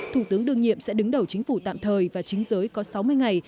thủ tướng đương nhiệm sẽ đứng đầu chính phủ tạm thời và chính giới có sáu mươi ngày